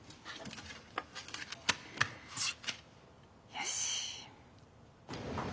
よし。